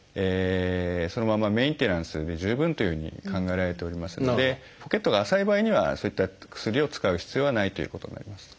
そのままメンテナンスで十分というふうに考えられておりますのでポケットが浅い場合にはそういった薬を使う必要はないということになります。